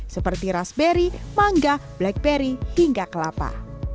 seperti raspberry mangga blackberry hingga kelapa